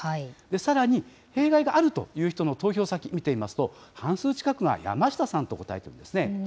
さらに、弊害があるという人の投票先、見てみますと、半数近くが山下さんと答えていますね。